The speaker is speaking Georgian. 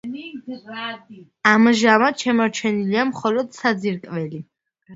ამჟამად შემორჩენილია მხოლოდ საძირკველი.